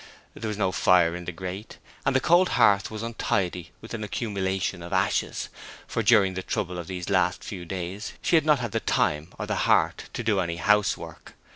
There was no fire in the grate, and the cold hearth was untidy with an accumulation of ashes, for during the trouble of these last few days she had not had time or heart to do any housework.